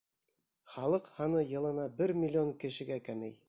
Халыҡ һаны йылына бер миллион кешегә кәмей!